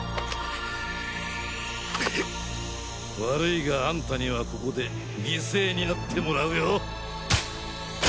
悪いがあんたにはここで犠牲になってもらうよ。